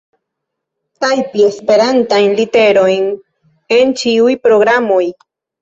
Tajpi Esperantajn literojn en ĉiuj programoj.